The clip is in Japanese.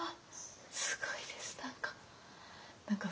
すごいです何か。